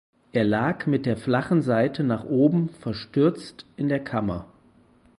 Er lag mit der flachen Seite nach oben verstürzt in der Kammer.